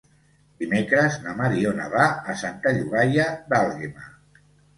Dimecres na Mariona va a Santa Llogaia d'Àlguema.